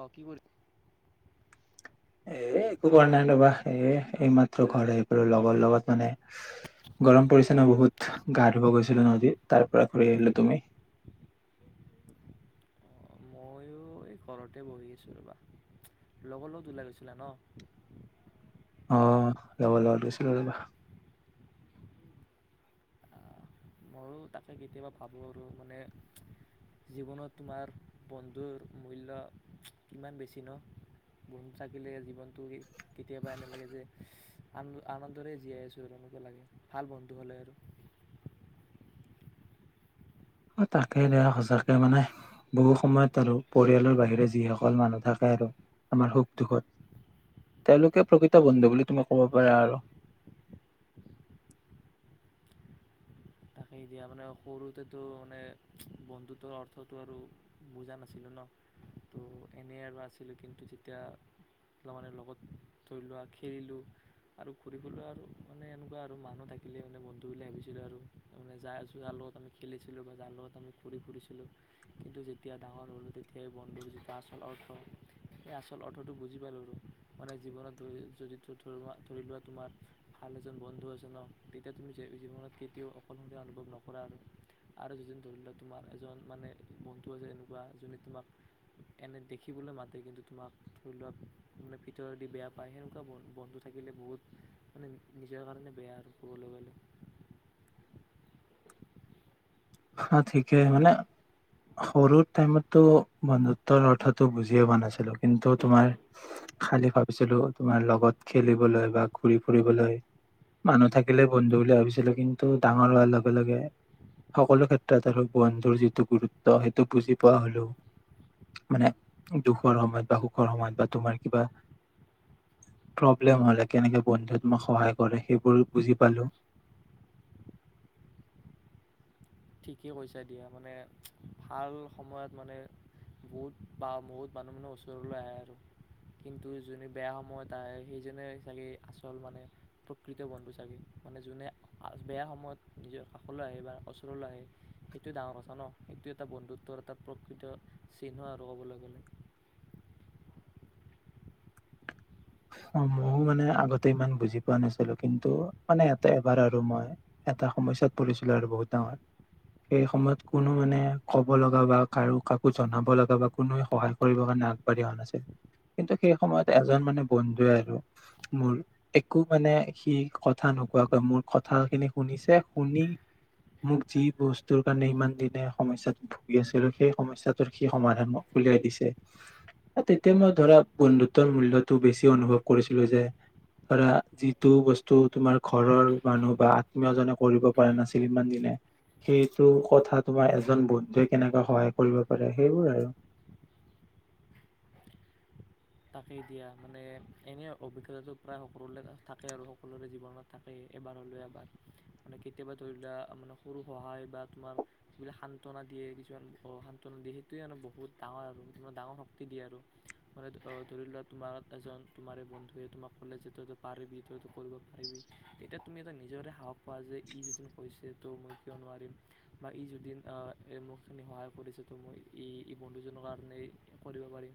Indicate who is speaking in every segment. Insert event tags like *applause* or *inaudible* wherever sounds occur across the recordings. Speaker 1: অহ কি কৰি *unintelligible*
Speaker 2: এয়ে একো কৰা নাই ৰৱা, এই মাত ঘৰৰ আহি পালো লগৰ লগত মানে, গৰম পৰিছ ন বহুত গা ধুব গৈছিলো নদীত তাৰ পৰা ঘূৰি আহিলো তুমি?
Speaker 1: ময়ো এই ঘৰতে বহি আছোঁ ৰ'বা, লগৰ লগত ওলাই গৈছিলা ন-?
Speaker 2: অ লগৰ লগত গৈছিলো ৰ'বা,
Speaker 1: আহ ময়ো তাকে কেতিয়াবা ভাবোঁ আৰু মানে জীৱনত তোমাৰ বন্ধুৰ মূল্য কিমান বেছি ন? বন্ধু থাকিলে জীৱনটো কেতিয়াবা এনে লাগে যে আন আনন্দৰেই জীয়াই আছোঁ আৰু এনকা লাগে ভাল বন্ধু হ'লে আৰু
Speaker 2: তাকে নে সচাকৈ মানে বহু সময় পালো পৰিয়ালৰ বাহিৰে যিসকল মানুহ থাকে আৰু আমাৰ সুখ দুখত, তেওঁলোকে প্ৰকৃত বন্ধু বুলি তুমি কব পাৰা আৰু
Speaker 1: সে দিয়া মানে সৰুতেতো মানে বন্ধুতৰ অৰ্থটো আৰু বুজা নাছিলোঁ ন। তো এনেই আৰু আছিলোঁ কিন্তু যেতিয়া লগৰে লগত ধৰি লোৱা খেলিলোঁ আৰু ঘূৰি বলৈ আৰু মানে এনেকুৱা আৰু মানুহ থাকিলে মানে বন্ধু বুলি ভাবিছিলোঁ আৰু তাৰমানে যাৰ জালত আমি খেলিছিলোঁ বা যাৰ লগত আমি ঘূৰি ফুৰিছিলোঁ কিন্তু যেতিয়া ডাঙৰ হ'লোঁ তেতিয়া এই বন্ধুৰ যিটো আচল অৰ্থ, সেই আচল অৰ্থটো বুজি পালোঁ আৰু। মানে জীৱনত ধৰি যদি ধ ধৰি লোৱা তোমাৰ ভাল এজন বন্ধু আছে ন তেতিয়া তুমি জীৱনত কেতিয়াও সকলশৰীয়া অনুভৱ নকৰা আৰু আৰু যিদিন ধৰি লোৱা তোমাৰ এজন মানে বন্ধু আছে এনেকুৱা যোনে তোমাক এনে দেখিবলৈ মাতে কিন্তু তোমাক ধৰি লোৱা মানে ভিতৰেদি বেয়া পায় সেনেকুৱা বন্ধু থাকিলে বহুত মানে নিজৰ কাৰণে বেয়া আৰু ক'বলৈ গ'লে
Speaker 2: সা ঠিকেই মানে সৰু টাইমতটো বন্ধুত্বৰ অৰ্থটো বুজিয়ে পোৱা নাছিলো কিন্তু তোমাৰ খালি ভাবিছিলো তোমাৰ লগত খেলিবলৈ বা ঘুৰি ফুৰিবলৈ মানুহ থাকিলে বন্ধু বুলি ভাবিছিলো। কিন্তু ডাঙৰ হোৱাৰ লগে লগে সকলো ক্ষেত্ৰত সক বন্ধুৰ যিটো গুৰুত্ব সেইটো বুজি পোৱা হলো। মানে দুখৰ সময়ত সুখৰ সময়ত বা তোমাৰ কিবা প্ৰব্লেম হলে কেনেকে বন্ধুৱে তোমাক সহায় কৰে সেইবোৰ বুজি পালো,
Speaker 1: ঠিকেই কৈছা দিয়া মানে ভাল সময়ত মানে বহুত বা বহুত মানুহ মানে ওচৰলৈ আহে আৰু কিন্তু যোনে বেয়া সময়ত আহে সেইজনে চাগে আচল মানে প্ৰকৃত বন্ধু চাগে। মানে যোনে বেয়া সময়ত নিজৰ কাষলৈ আহে বা ওচলৈ আহে সেইটোৱে ডাঙৰ কথা ন সেইটো এটা বন্ধুত্বৰ এটা প্ৰকৃত চিহ্ন আৰু ক'বলৈ গ'লে
Speaker 2: অ ময়ো মানে আগতে ইমান বুজি পোৱা নাছিলো কিন্তু মানে এটা এবাৰ আৰু মই এটা সমস্যাত পৰিছিলো আৰু বহুত ডাঙৰ সেই সময়ত কোনো মানে কব লগা বা কাৰো কাকো জনাব লগা বা কোনোৱ সহায় কৰিব কাৰণে আগবাঢ়ি অহা নাছিল। কিন্তু সেই সময়ত এজন মানে বন্ধুৱে আৰু মোৰ একো মানে সি কথা নোকোৱাকৈ মোৰ কথা খিনি শুনিছে, শুনি মোক যি বস্তুৰ কাৰণে ইমান দিনে সমস্যাত ভুগি আছিলো, সেই সমস্যাটোৰ সি সমাধানো উলিয়াই দিছে তেতিয়া মই ধৰা বন্ধুতৰ মূল্য টো বেছি অনুভৱ কৰিছিলো যে, ধৰা যিটো বস্তু তোমাৰ ঘৰৰ মানুহ বা আত্মীয়জনে কৰিব পৰা নাছিল ইমান দিনে সেইটো কথা তোমাৰ এজন বন্ধুৱে কেনেকে সহায় কৰিব পাৰে সেইবোৰ আৰু।
Speaker 1: তাকেই দিয়া মানে এনেই অভিজ্ঞতাটো প্ৰায় সকলোৰে থাকে আৰু সকলোৰে জীৱনত থাকেই এবাৰ হ'লেও এবাৰ। মানে কেতিয়াবা ধৰি লোৱা মানে সৰু সহায় বা তোমাৰ যিবিলাক সান্তনা দিয়ে কিছুমান সান্তনা দিয়ে সেইটোৱে মানে বহুত ডাঙৰ আৰু তে ডাঙৰ শক্তি দিয়ে আৰু মানে ত ধৰি লোৱা তোমাক এজন তোমাৰ এই বন্ধুৱে তোমাক ক'লে যে তইতো পাৰিবি তইতো কৰিব পাৰিবি তেতিয়া তুমি তাক নিজৰে সাহস পোৱা যে ই যদিন কৈছে ত' মই কিয় নোৱাৰিম বা ই যদিন মোকখিনি সহায় কৰিছে তো মই ই বন্ধুজনৰ কাৰণে কৰিব পাৰিম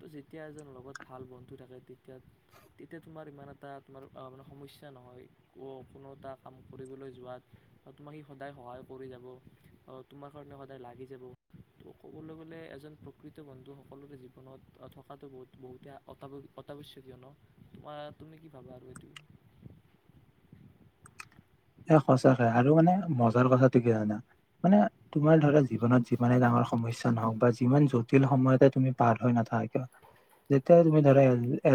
Speaker 1: ত' যেতিয়া এজন লগত ভাল বন্ধু থাকে তেতিয়া তেতিয়া তোমাৰ ইমান এটা তোমাৰ মানে সমস্যা নহয় ক কোনো এটা কাম কৰিবলৈ যোৱাত তোমাক সি সদায় সহায় কৰি যাব তোমাৰ কাৰণে সদায় লাগি যাব ত' ক'বলৈ গ'লে এজন প্ৰকৃত বন্ধু সকলোৰে জীৱনত থকাটো বহুতে অতাৱশ্যকীয় ন তোমাৰ তুমি কি ভাবা আৰু এইটো
Speaker 2: এ সঁচাকে হয় আৰু মানে মজাৰ কথাটো কি জানা মানে তোমাৰ ধৰা জীৱনত যিমানে ডাঙৰ সমস্যা নহওক বা যিমান জটিল সময়তে তুমি পাৰ হৈ নাথাক কিয় যেতিয়া তুমি ধৰা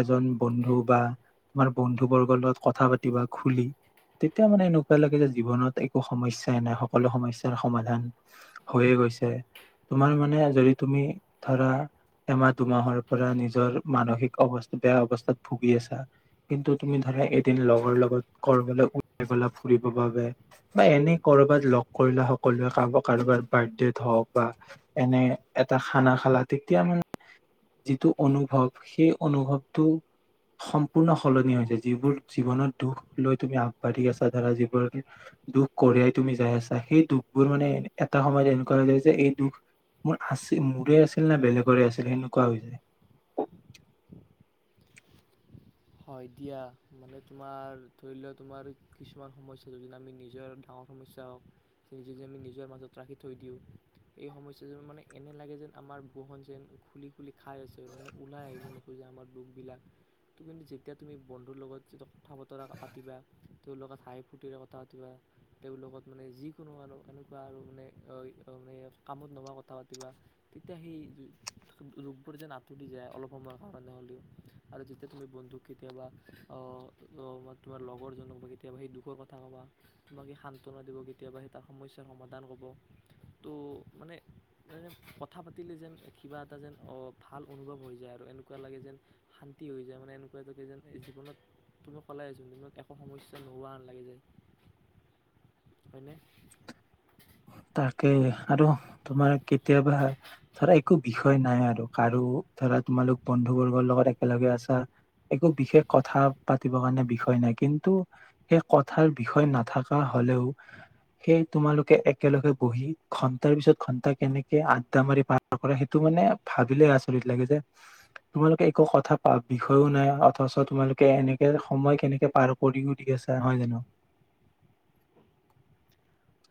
Speaker 2: এজন বন্ধু বা তোমাৰ বন্ধু বৰ্গৰ লগত কথা পাতি বা খুলি তেতিয়া মানে এনো কিবা লাগে যে জীৱনত একো সমস্যাই নাই সকলো সমস্যাৰ সমাধান হৈয়ে গৈছে, তোমাৰ মানে যদি তুমি ধৰা এমাহ দুমাহৰ পৰা নিজৰ মানসিক অৱস্থা বেয়া অৱস্থাত ভুগি আছা কিন্তু তুমি ধৰা এদিন লগৰ লগত কৰ্মলৈ উলাই গলা ফুৰিব বাবে বা এনে কৰবাত লগ কৰিলা সকলোৱে কাৰব কাৰোবাৰ বাৰ্থডেত হওক বা এনে এটা খানা খালা তেতিয়া মানে যিটো অনুভৱ সেই অনুভৱটো সম্পূৰ্ণ সলনি হৈছে যিবোৰ জীৱনত দুখ লৈ তুমি আগবাঢ়ি আছা ধৰা যিবোৰ দুখ কঢ়িয়াই তুমি যাই আছা সেই দুখবোৰ মানে এটা সময়ত এনেকুৱা হৈ যায় যে এই দুখ মোৰ আছিল মোৰে আছিল নে বেলেগৰে আছিল সেনেকুৱা হৈ যায়।
Speaker 1: হয় দিয়া মানে তোমাৰ ধৰি লোৱা তোমাৰ কিছুমান সমস্যা যদি আমি নিজৰ ডাঙৰ সমস্যা হওক নি আমি নিজৰ মাজত ৰাখি থৈ দিওঁ এই সমস্যা যোৰ মানে এনে লাগে যেন আমাৰ বুখন যেন খুলি খুলি খাই আছে মানে ওলাই আহিব নোখোজে আমাৰ দুখবিলাক ত কিন্তু তেতিয়া তুমি বন্ধুৰ লগত যেতিয়া কথা বতৰা পাতিবা তেওঁৰ লগত হাই ফূৰ্তিৰে কথা পাতিবা তেওঁৰ লগত মানে যিকোনো আৰু এনেকুৱা আৰু মানে মানে কামত নোহোৱা কথা পাতিবা তেতিয়া সেই ৰোগবোৰ যে আঁতৰি যায় অলপ সময়ৰ কাৰণে হ'লেও আৰু যেতিয়া তুমি বন্ধু কেতিয়াবা তোমাৰ লগৰজনক বা কেতিয়াবা সেই দুখৰ কথা ক'বা তোমাক সেই শান্তনা দিব কেতিয়াবা সেই তাৰ সমস্যাৰ সমাধান ক'ব ত' মানে কথা পাতিলে যেন কিবা এটা যেন ভাল অনুভৱ হৈ যায় আৰু এনেকুৱা লাগে যেন শান্তি হৈ যায় মানে কিবা যদি যে জীৱনত তুমি কলাইচোন তুম একো সমস্যা নোহোৱা লাগি যায় হয়নে
Speaker 2: তাকে আৰু তোমাৰ কেতিয়াবা ধৰা একো বিষয় নাই আৰু কাৰো ধৰা তোমালোক বন্ধু বৰ্গৰ লগত একেলগে আছা একো বিশেষ কথা পাতিবৰ কাৰণে বিষয় নাই কিন্তু সেই কথাৰ বিষয় নাথকা হলেও সেই তোমালোকে একে একেলগে বহি ঘন্টাৰ পিছত ঘন্টা কেনেকে আড্ডা মাৰি পাৰ কৰা সেইটো মানে ভাবিলে আচৰিত লাগে যে তোমালোকে একো কথা বিষয়ও নাই অথচ তোমালোকে এনেকে সময় কেনেকে পাৰ কৰিও দি আছা হয় জানো।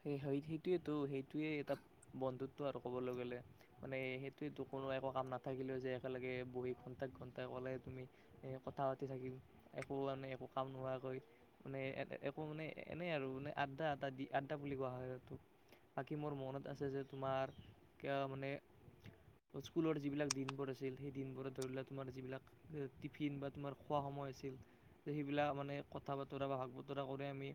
Speaker 1: সেই সেই সেইটোৱেতো সেইটোৱে এটা বন্ধুত্ব আৰু ক'বলৈ গ'লে মানে সেইটোৱেতো কোনো একো কাম নাথাকিলেও যে একেলগে বহি ঘণ্টা ঘণ্টা ক'লে তুমি কথা পাতি থাকিম একো মানে একো কাম নোহোৱাকৈ মানে একো মানে এনেই আৰু মানে আদদা আ দি আ বুলি কোৱা হয় বাকী মোৰ মনত আছে যে তোমাৰ মানে স্কুলৰ যিবিলাক দিনবোৰ আছিল সেই দিনবোৰত ধৰি লোৱা তোমাৰ যিবিলাক টিফিন বা তোমাৰ খোৱা সময় আছিল সেইবিলাক মানে কথা বতৰা বা ভাগ বতৰা কৰি আমি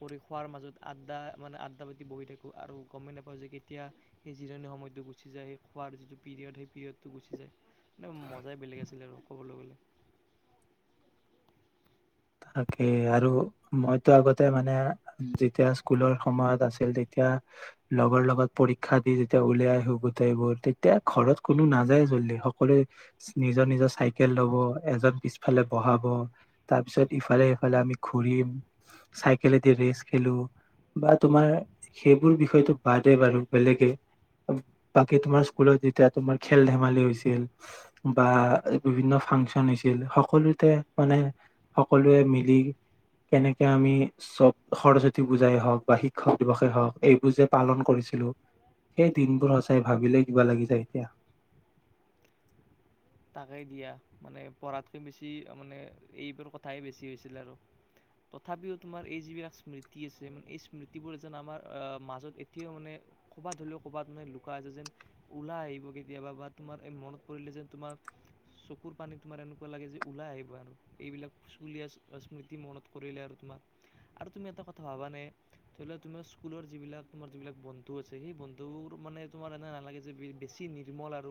Speaker 1: কৰি খোৱাৰ মাজত আড্ডা মানে আড্ডা পাতি বহি থাকোঁ আৰু গমেই নাপাওঁ যে কেতিয়া সেই জিৰণি সময়টো গুচি যায় সেই খোৱাৰ যিটো পিৰিয়ড সেই পিৰিয়ডটো গুচি যায় মানে মজাই বেলেগ আছিলে আৰু ক'বলৈ গ'লে
Speaker 2: তাকেই আৰু মইতো আগতে মানে যেতিয়া স্কুলৰ সময়ত আছিল তেতিয়া লগৰ লগত পৰীক্ষা দি যেতিয়া উলাই আহো গোটেইবোৰ তেতিয়া ঘৰত কোনো নাযায় জল্লি সকলোৱে নিজৰ নিজৰ চাইকেল লব এজন পিছফালে বহাব তাৰপিছত ইফালে সফালে আমি ঘুৰিম চাইকলেদি ৰেচ খেলো বা তোমাৰ সেইবোৰ বিষয়তো বাদে বাৰু বেলেগে বাকী তোমাৰ স্কুলত যেতিয়া তোমাৰ খেল ধেমালি হৈছিল বা বিভিন্ন ফাংচন হৈছিল সকলোতে মানে সকলোৱে মিলি কেনেকে আমি চব সৰস্বতী পূজাই হওক বা শিক্ষক দিৱসেই হওক এইবোৰ যে পালন কৰিছিলো সেই দিনবোৰ সঁচাই ভাবিলে কিবা লাগি যায় এতিয়া।
Speaker 1: তাকে দিয়া মানে পঢ়াতকৈ বেছি মানে এইবোৰ কথাইে বেছি হৈছিলে আৰু তথাপিও তোমাৰ এই যিবিলাক স্মৃতি আছে এই স্মৃতিবোৰ যেন আমাৰ মাজত এতিয়াও মানে ক'বাত ধৰিলেও ক'বাত মে লুকা আছে যেন ওলা আহিব কেতিয়াবা বা তোমাৰ মনত পৰিলে যেন তোমাৰ চকুৰ পানী তোমাৰ এনেকুৱা লাগে যে ওলাই আহিবা আৰু এইবিলাক স্কুলীয়া স্মৃতি মনত কৰিলে আৰু তোমাৰ আৰু তুমি এটা কথা ভাবা নে ধৰি লোৱা তোমাৰ স্কুলৰ যিবিলাকোমাৰ যিবিলাক বন্ধু আছে সেই বন্ধু মানে তোমাৰ এনে নালাগে যে বেছি নিৰ্মল আৰু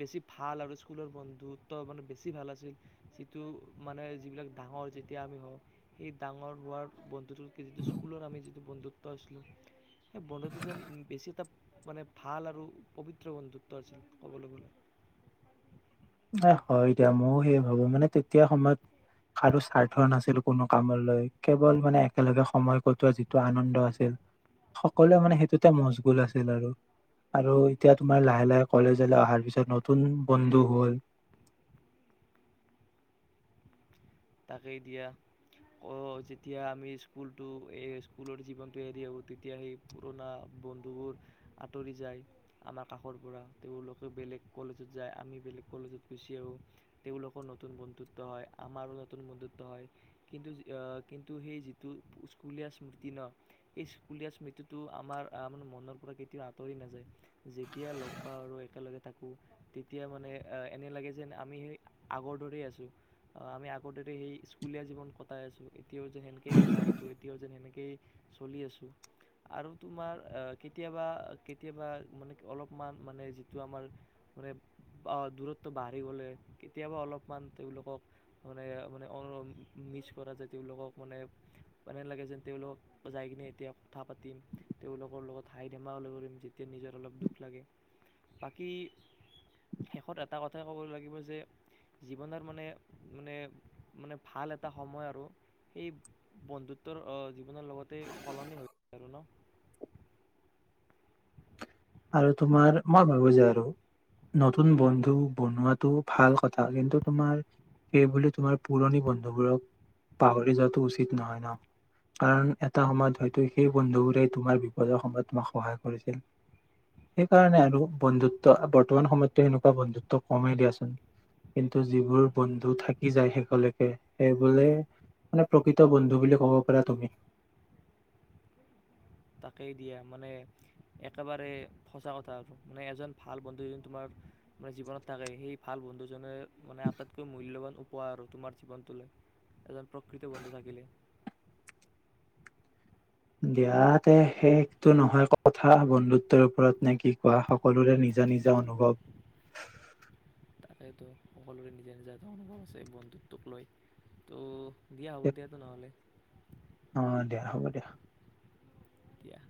Speaker 1: বেছি ভাল আৰু স্কুলৰ বন্ধুত্ব মানে বেছি ভাল আছিল যিটো মানে যিবিলাক ডাঙৰ যেতিয়া আমি হওঁ সেই ডাঙৰ হোৱাৰ বন্ধুটো যিটো স্কুলৰ আমি বন্ধুত্ব আছিল সেই বন্ধুত্ব যেন বেছি এটা মানে ভাল আৰু পবিত্ৰ বন্ধুত্ব আছিল ক'বলৈ গলে।
Speaker 2: এ হয় এতিয়া ময়ো সেই হব মানে তেতিয়া সময়ত কাৰো স্বাৰ্থ নাছিল কোনো কামলৈ কেৱল মানে একেলগে সময় কটোৱা যিটো আনন্দ আছিল সকলোৱে মানে সেইটোতে মছগুল আছিল আৰু আৰু এতিয়া তোমাৰ লাহে লাহে কলেজলৈ অহাৰ পিছত নতুন বন্ধু হল,
Speaker 1: তাকেই দিয়া অ যেতিয়া আমি স্কুলটো স্কুলৰ জীৱনটো এৰি আহো তেতিয়া সেই পোৰণা বন্ধুবোৰ আঁতৰি যায় আমাৰ কাষৰ পৰা তেওঁলোকে বেলেগ কলেজত যায় আমি বেলেগ কলেজত গুচি আহো তেওঁলোকৰ নতুন বন্ধুত্ব হয় আমাৰো কি কিন্তু সেই যিটো স্কুলীয়া স্মৃতি ন সেই স্কুলীয়া স্মৃতিটো আমাৰ আাৰ মনৰ পৰা কেতিয়াও আঁতৰি নাযায় যেতিয়া লগ পাওঁ আৰু একেলগে থাকোঁ তেতিয়া মানে এনে লাগে যেন আমি সেই আগৰ দৰেই আছোঁ আগৰে সেই স্কুলীয়া জীৱন কটাই আছোঁ এতিয়াও যেন সেনেকেইে কথা পাতো এতিয়াও যেন সেনেকেইয়ে চলি আছো আৰু তোমাৰ কেতিয়াবা কেতিয়াবা মানে অলপমান মানে যিটো আমাৰ মানে দূৰত্ব বাঢ়ি গ'লে কেতিয়াবা অলপমান তেওঁলোকক মানে মানে মিছ কৰা যে তেওঁলোকক মানে এনে লাগে যেন তেওঁলোকক যাই কিনে এতিয়া কথা পাতিম তেওঁলোকৰ লগত হাই ধেমালি কৰিম যেতিয়া নিজৰ অলপ দুখ লাগে বাকী শেষত এটা কথাই ক'ব লাগিব যে জীৱনৰত মানে মানে মানে ভাল এটা সময় আৰু সেই বন্ধুত্বৰ জীৱনৰ লগতে সলনি হৈ আৰু ন
Speaker 2: আৰু তোমাৰ মই ভাবো যে আৰু নতুন বন্ধু বনোৱাটো ভাল কথা কিন্তু তোমাৰ সেইবুলি তোমাৰ পুৰণি বন্ধুবোৰক পাহৰি যোৱাটো উচিত নহয় ন কাৰণ এটা সময়ত হয়তো সেই বন্ধুবোৰে তোমাৰ বিপদৰ সময়ত তোমাক সহায় কৰিছিল সেইকাৰণে আৰু বন্ধুত্ব বৰ্তমান সময়ততো সেনেকুৱা বন্ধুত্ব কমেই দিয়াচোন কিন্তু যিবোৰ বন্ধু থাকি যায় শেষলৈকে সেই বোলে মানে প্ৰকৃত বন্ধু বুলি ক'ব পাৰা তুমি
Speaker 1: তাকেই দিয়া মানে একেবাৰে সঁচা কথা আৰু মানে এজন ভাল বন্ধুজন তোমাৰ মানে জীৱনত থাকে সেই ভাল বন্ধুজনে মানে আটাইতকৈ মূল্যবান পোৱা আৰু তোমাৰ জীৱনটোলৈ এজন প্ৰকৃত বন্ধু থাকিলে
Speaker 2: দিয়াতে শেষটো নহয় কথা বন্ধুত্বৰ ওপৰত নে কি কোৱা সকলোৰে নিজা নিজা অনুভৱ
Speaker 1: সেইেটো সকলোৰে নিজে নিজা এটা অনুভৱ আছে বন্ধুত্বোক লৈ ত' দিয়া হ'ব দিয়াতো নহ'লে।
Speaker 2: অ দিয়া হ'ব দিয়া।
Speaker 1: দিয়া।